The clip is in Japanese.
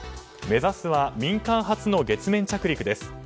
目指すは民間初の月面着陸です。